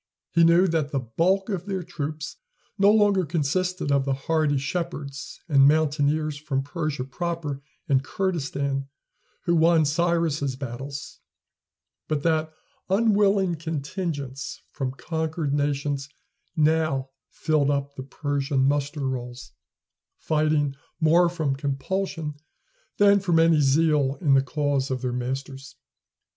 He knew that the bulk of their troops no longer consisted of the hardy shepherds and mountaineers from Persia proper and Kurdistan, who won Cyrus's battles; but that unwilling contingents from conquered nations now filled up the Persian muster rolls, fighting more from compulsion than from any zeal in the cause of their masters.